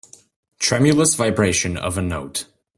Tremulous vibration of a note.